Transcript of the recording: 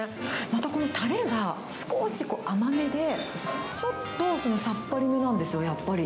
また、このたれが、少し甘めで、ちょっとさっぱりめなんですよ、やっぱり。